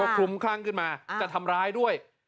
คลุมคลั่งขึ้นมาจะทำร้ายด้วย